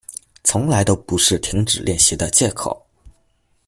从来都不是停止练习的借口